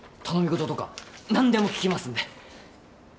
頼み事とか何でも聞きますんで。